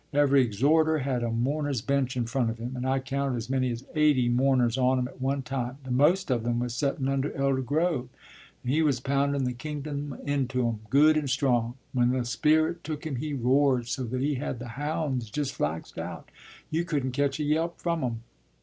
Every exhorter had a mourners' bench in front of him, and I counted as many as eighty mourners on 'em at one time. The most of 'em was settun' under Elder Grove, and he was poundun' the kingdom into 'em good and strong. When the Spirit took him he roared so that he had the Hounds just flaxed out; you couldn't ketch a yelp from 'em.